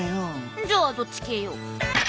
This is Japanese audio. じゃあどっち系よ？